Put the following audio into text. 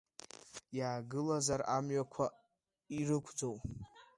Иаагылазар амҩақәа ирықәӡоу…